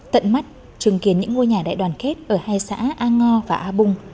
tận mắt chứng kiến những ngôi nhà đại đoàn kết ở hai xã a ngo và a bung